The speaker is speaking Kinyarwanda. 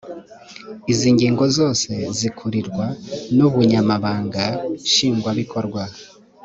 izi nzego zose zikurirwa n’ ubunyamabanga nshingwabikorwa .